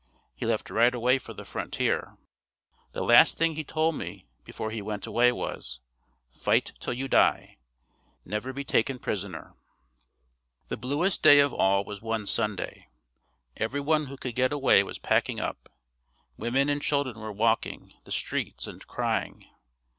He left right away for the frontier. The last thing he told me before he went away was, "Fight 'til you die, never be taken prisoner." The bluest day of all was one Sunday. Everyone who could get away was packing up. Women and children were walking the streets and crying.